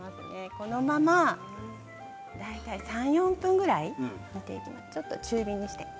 このまま大体３、４分ぐらい煮ていきます。